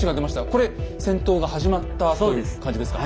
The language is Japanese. これ戦闘が始まったという感じですか？